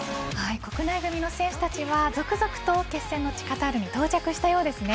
国内組の選手たちは続々と決戦の地カタールに到着したようですね。